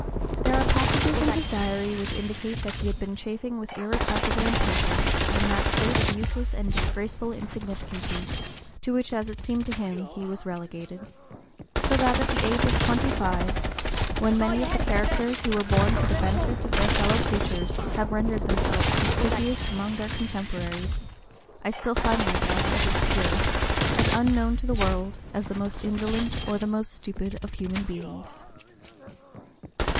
There are passages in his Diary which indicate that he had been chafing with irrepressible impatience "in that state of useless and disgraceful insignificancy," to which, as it seemed to him, he was relegated, so that at the age of twenty five, when "many of the characters who were born for the benefit of their fellow creatures, have rendered themselves conspicuous among their contemporaries, ... I still find myself as obscure, as unknown to the world, as the most indolent or the most stupid of human beings."